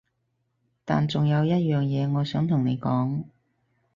但仲有一樣嘢我想同你講